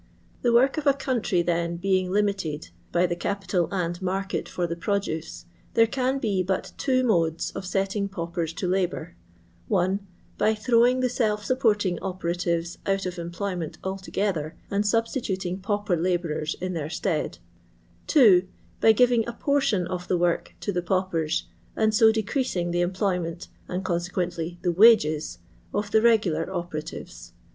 The work of a country then b^g limited (by the capital and market for the produce), there can be but two modes of setting paupers to labour : (1) by throwing the self snpporting operatives out of employment altogether, and substituting pauper labourers in their stead ; (2) by giving a portion of the work to the pauper^ and so decr^sing the employment, and consequently the wages, ^ the resular operatives.